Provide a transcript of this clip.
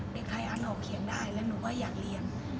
เป็นไข้อันออกเคียงได้แล้วหนูก็อยากเรียน